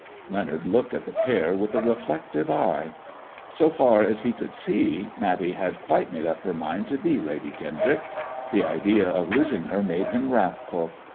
'' Leonard looked at the pair with a reflective eye. So far as he could see, Matty had quite made up her mind to be Lady Kendrick. The idea of losing her made him wrathful.